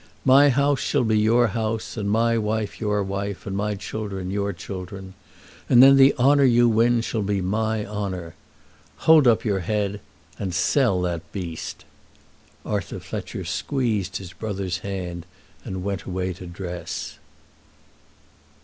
My house shall be your house, and my wife your wife, and my children your children. And then the honour you win shall be my honour. Hold up your head, and sell that beast." Arthur Fletcher squeezed his brother's hand and went away to dress.